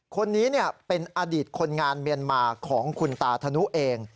คนนี้เป็นอดีตคนงานเมียนมาของคุณตาธนุเอง